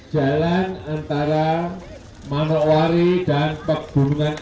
jalan antara manokwari dan pegunungan